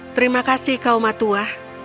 terima kasih kau matua